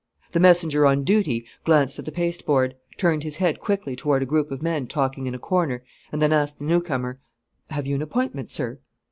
The messenger on duty glanced at the pasteboard, turned his head quickly toward a group of men talking in a corner, and then asked the newcomer: "Have you an appointment, sir?"